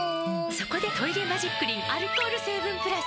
そこで「トイレマジックリン」アルコール成分プラス！